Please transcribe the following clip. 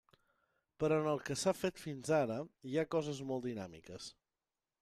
Però en el que s'ha fet fins ara, hi ha coses molt dinàmiques.